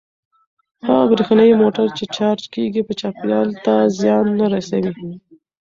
هغه برېښنايي موټر چې چارج کیږي چاپیریال ته زیان نه رسوي.